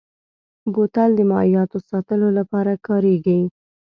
بوتل د مایعاتو ساتلو لپاره کارېږي.